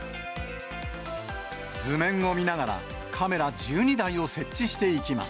図面を見ながらカメラ１２台を設置していきます。